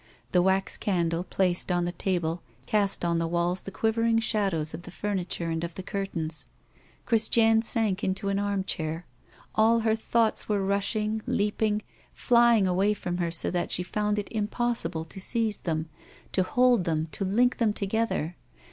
The wax candle placed on the table cast on the walls the quivering shadows of the furniture and of the curtains. Christiane sank into an armchair. All her thoughts were rushing, leaping, flying away from her so that she found it impossible to seize them, to hold them, to link them together.